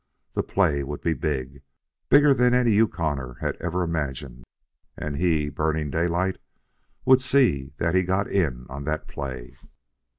The play would be big, bigger than any Yukoner had ever imagined, and he, Burning Daylight, would see that he got in on that play.